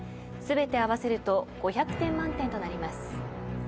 全て合わせると５００点満点となります。